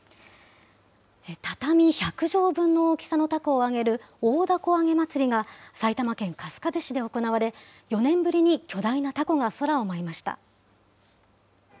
畳１００畳分の大きさのたこを揚げる、大凧あげ祭りが、埼玉県春日部市で行われ、４年ぶりに巨大なたこが空を舞いました。